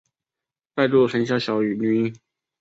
再度生下小女婴